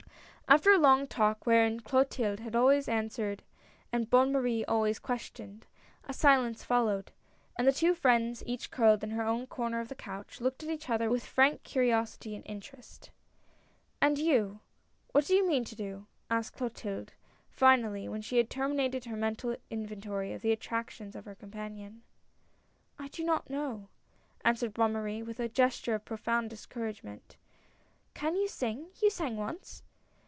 After a long talk, wherein Clotilde had always, answered and Bonne Marie always questioned, a silence followed, and the two friends, each curled in her own corner of the couch, looked at each other with frank curiosity and interest. "And you, what do you mean to do?" said Clotilde,. finally, when she had terminated her mental inventory of the attractions of her companion. "I do not know," answered Bonne Marie, with a gesture of profound discouragement. " Can you sing? You sang once."